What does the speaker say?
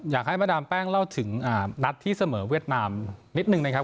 อยากให้มาดามแป้งเล่าถึงนัดที่เสมอเวียดนามนิดนึงนะครับ